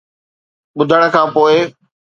ٻڌڻ کان پوءِ،